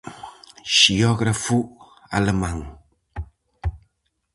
Xeógrafo alemán.